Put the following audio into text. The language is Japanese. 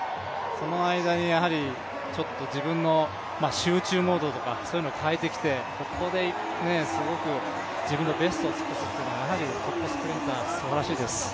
その間にちょっと自分の集中モードとかを変えてきてここですごく自分のベストを尽くすというのはトップスプリンター、すばらしいです。